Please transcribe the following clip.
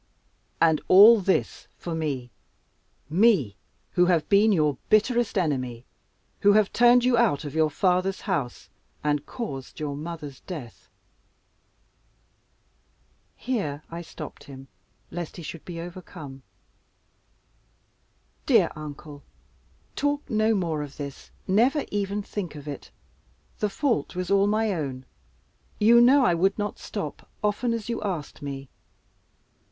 "And all this for me me who have been your bitterest enemy, who have turned you out of your father's house, and caused your mother's death!" Here I stopped him, lest he should be overcome. "Dear uncle, talk no more of this never even think of it. The fault was all my own. You know I would not stop, often as you asked me.